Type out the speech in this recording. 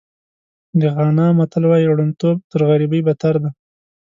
د غانا متل وایي ړوندتوب تر غریبۍ بدتر دی.